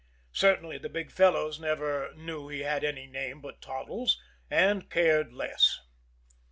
Certainly the big fellows never knew he had any name but Toddles and cared less.